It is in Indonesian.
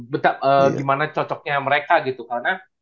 beta gimana cocoknya mereka gitu karena